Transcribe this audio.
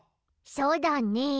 そうだね。